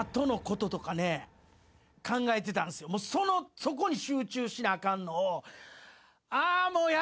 そこに集中しなあかんのを。